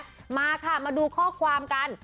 โอ้โฮมาค่ามาดูข้อความกัน